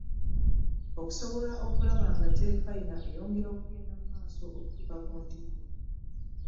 Okusobola okulaba nga Terefayina eyongera okugenda mu maaso okutuuuka ku ntikko.